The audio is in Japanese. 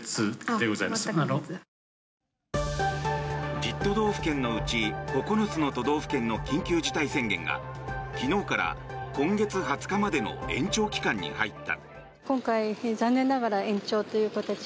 １０都道府県のうち９つの都道府県の緊急事態宣言が昨日から今月２０日までの延長期間に入った。